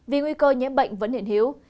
vì nguy cơ nhiễm bệnh vẫn hiện hiếu